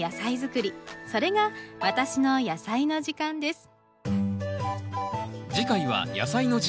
それが『私のやさいの時間』です」